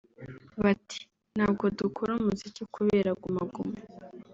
Bati “Ntabwo dukora umuziki kubera ‘Guma Guma’